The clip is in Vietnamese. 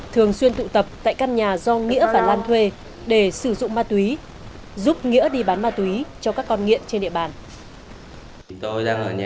thường xuyên tụ tập tại căn nhà do nghĩa và lan thuê để sử dụng ma túy giúp nghĩa đi bán ma túy cho các con nghiện trên địa bàn